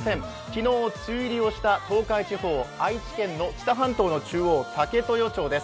昨日、梅雨入りをした東海地方、愛知県の知多半島の中央、武豊町です。